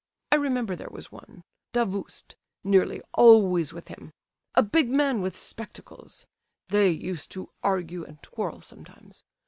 I remember there was one—Davoust—nearly always with him—a big man with spectacles. They used to argue and quarrel sometimes.